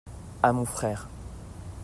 à mon frère.